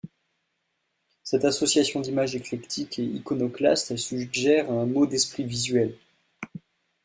Cette association d'images, éclectique et iconoclaste suggère un mot d'esprit visuel.